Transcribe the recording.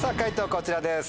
こちらです。